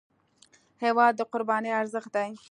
هېواد د قربانۍ ارزښت دی.